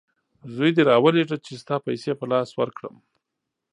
زوی دي راولېږه چې ستا پیسې په لاس ورکړم!